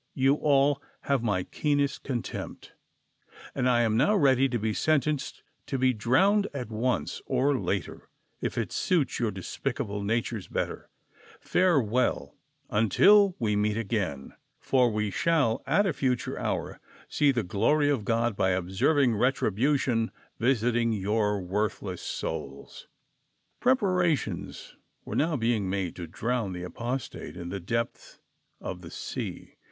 You all have my keenest contempt, and I am now ready to be sentenced to be drowned at once, or later, if it suits your despicable natures better ! Farewell, until we meet again, for we shall at a THE CONSPIRATOES AND LOVERS. 135 future hour see the glory of God by observing retribution visiting your worthless souls !" Preparations were now being made to drown the apos tate in the depth of the sea.